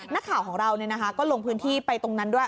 นักข่าวของเราก็ลงพื้นที่ไปตรงนั้นด้วย